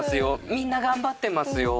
みんな頑張ってますよ